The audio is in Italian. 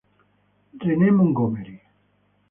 Renee Montgomery